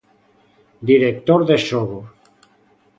Director de xogo.